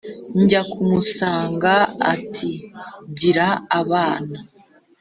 njya kumusanga nti « gira abana »,